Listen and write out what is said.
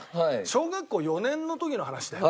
小学校４年の時の話だよ。